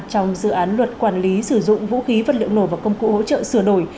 trong dự án luật quản lý sử dụng vũ khí vật liệu nổ và công cụ hỗ trợ sửa đổi